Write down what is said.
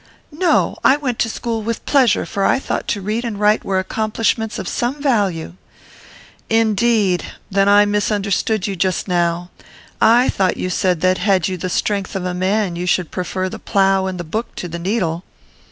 "'No. I went to school with pleasure; for I thought to read and write were accomplishments of some value.' "'Indeed? Then I misunderstood you just now. I thought you said that, had you the strength of a man, you should prefer the plough and the book to the needle.